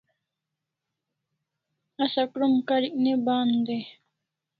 Asa krom karik ne bahan dai